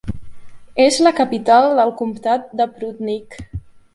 És la capital del comptat de Prudnik.